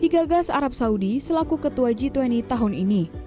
digagas arab saudi selaku ketua g dua puluh tahun ini